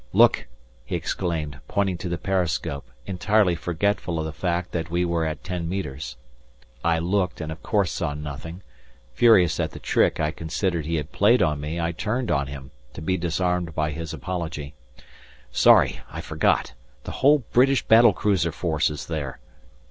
"Look!" he exclaimed, pointing to the periscope, entirely forgetful of the fact that we were at ten metres. I looked, and of course saw nothing; furious at the trick I considered he had played on me I turned on him, to be disarmed by his apology. "Sorry! I forgot! The whole British battle cruiser force is there."